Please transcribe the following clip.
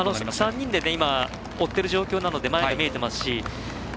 ３人で追っている状態なので前も見えていますし。